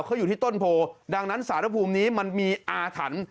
เขาอยู่ที่ต้นโพดังนั้นสารภูมินี้มันมีอาถรรพ์